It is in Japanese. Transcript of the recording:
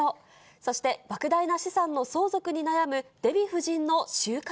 そしてばく大な資産の相続に悩むデヴィ夫人の終活。